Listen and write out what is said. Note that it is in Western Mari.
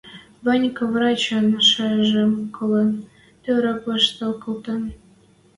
Ванька, врачын шаяжым колын, тӧрӧк ваштыл колтен